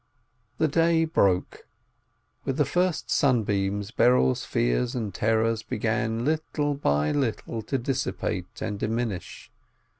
The day broke. With the first sunbeams Berel's fears and terrors began little by little to dissipate and diminish.